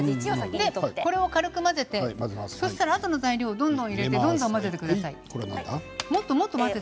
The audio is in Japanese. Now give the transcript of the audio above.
小さじ１を軽く混ぜて、あとの材料を入れてどんどん混ぜてください。